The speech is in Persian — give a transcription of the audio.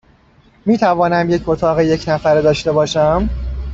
می توانم یک اتاق یک نفره داشته باشم؟